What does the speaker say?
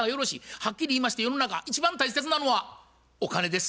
はっきり言いまして世の中一番大切なのはお金です。